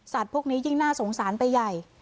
พวกนี้ยิ่งน่าสงสารไปใหญ่